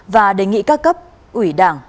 và đề nghị các cấp ủy đảng